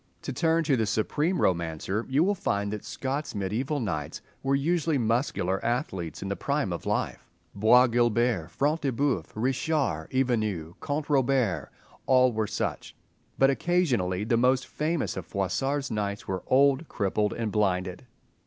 To turn to the supreme romancer, you will find that Scott's mediaeval knights were usually muscular athletes in the prime of life: Bois Guilbert, Front de Bœuf, Richard, Ivanhoe, Count Robert—they all were such. But occasionally the most famous of Froissart's knights were old, crippled and blinded.